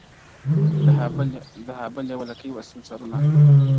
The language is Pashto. د ها بل يوه لكۍ وه سل سرونه؛